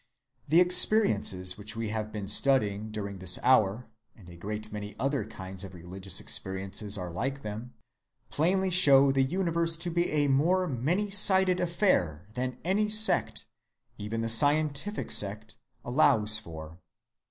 The experiences which we have been studying during this hour (and a great many other kinds of religious experiences are like them) plainly show the universe to be a more many‐sided affair than any sect, even the scientific sect, allows for.